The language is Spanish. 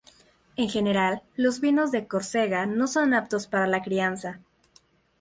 En general, los vinos de Córcega no son aptos para la crianza.